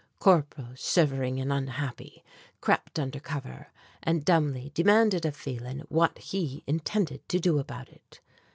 Corporal, shivering and unhappy, crept under cover, and dumbly demanded of Phelan what he intended to do about it.